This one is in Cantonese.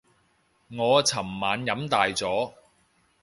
我尋晚飲大咗